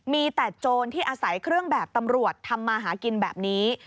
มีแต่โจรที่อาศัยเครื่องแบบตำรวจทำมาหากินแบบนี้